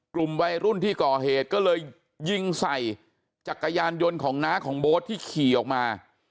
กลุ่มวัยรุ่นที่ก่อเหตุก็เลยยิงใส่จักรยานยนต์ของน้าของโบ๊ทที่ขี่ออกมา